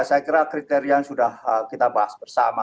saya kira kriteria yang sudah kita bahas bersama